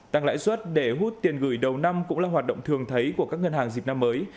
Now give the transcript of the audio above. tăng lãi suất để hút tiền gửi đầu năm cũng là hoạt động thường thấy của các ngân hàng dịp năm mới